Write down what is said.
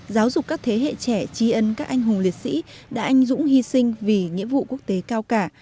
giáo dục các thế hệ trẻ trí ân các anh hùng liệt sĩ đã anh dũng hy sinh vì nghĩa vụ quốc tế cao cả